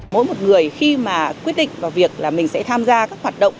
mỗi một người khi mà quyết định vào việc là mình sẽ tham gia các hoạt động